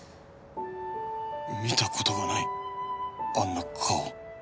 見た事がないあんな顔